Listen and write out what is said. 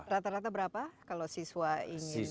rata rata berapa kalau siswa ingin belajar di sini